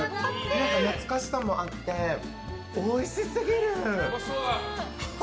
何か懐かしさもあっておいしすぎる！